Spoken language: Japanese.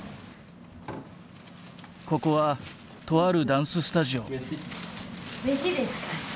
ここはとあるダンススタジオ。